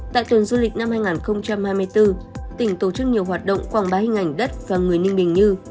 tại tuần du lịch năm hai nghìn hai mươi bốn tỉnh tổ chức nhiều hoạt động quảng bá hình ảnh đất và người ninh bình như